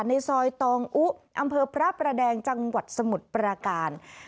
ในซอยตองอุอำเภอพระประแดงจังหวัดสมุทรปราการ